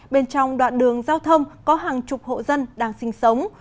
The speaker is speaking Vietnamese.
bên trong đoạn đường giao thông có hàng chục hộ dân đang sinh sống